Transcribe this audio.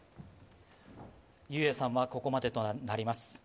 雄哉さんはここまでとなります。